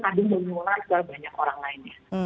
kadang kadang menular ke banyak orang lainnya